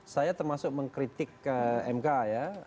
saya termasuk mengkritik mk ya